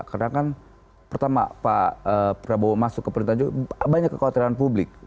karena kan pertama pak prabowo masuk ke pemerintahan jokowi banyak kekhawatiran publik